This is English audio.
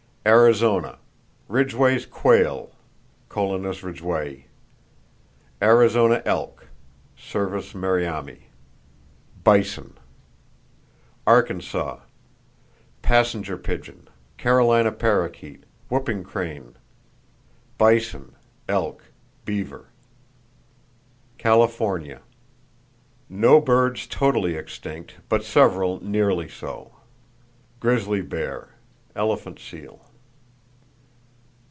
Arizona: Ridgway's quail (Colinus ridgwayi); Arizona elk (Cervus merriami), bison. Arkansas: Passenger pigeon, Carolina parrakeet, whooping crane; bison, elk, beaver. California: No birds totally extinct, but several nearly so; grizzly bear (?), elephant seal.